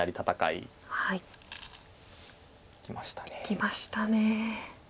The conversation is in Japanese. いきましたね。